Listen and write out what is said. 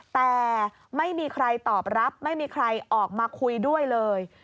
แต่ไม่มีใครตอบรับไม่มีใครออกมาคุยด้วยเลย